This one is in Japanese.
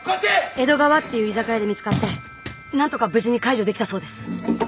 江戸川っていう居酒屋で見つかって何とか無事に解除できたそうです。